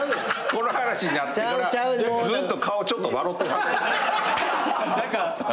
この話になってからずっと顔ちょっと笑てはります。